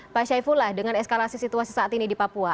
pak syaifullah dengan eskalasi situasi saat ini di papua